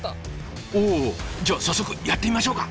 おじゃあ早速やってみましょうか。